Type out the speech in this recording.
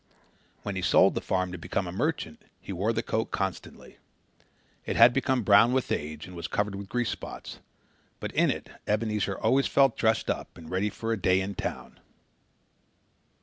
When he sold the farm to become a merchant he wore the coat constantly. It had become brown with age and was covered with grease spots, but in it Ebenezer always felt dressed up and ready for the day in town.